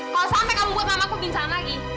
kalau sampai kamu buat lama aku bincang lagi